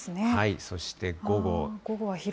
そして午後。